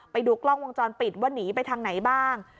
ไปดูกล้องวงจรปิดว่าหนีไปทางไหนบ้าง